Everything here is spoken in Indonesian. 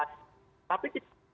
tapi kita tidak bisa mencari